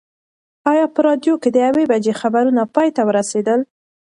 ایا په راډیو کې د یوې بجې خبرونه پای ته ورسېدل؟